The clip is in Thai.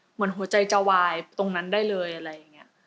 เหมือนหัวใจจะวายตรงนั้นได้เลย